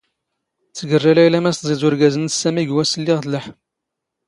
ⵜⴳⵔⵔⴰ ⵍⴰⵢⵍⴰ ⵎⴰⵙ ⵜⵥⵉ ⴷ ⵓⵔⴳⴰⵣ ⵏⵏⵙ ⵙⴰⵎⵉ ⴳ ⵡⴰⵙⵙ ⵍⵍⵉⵖ ⵜ ⵍⴰⵃ.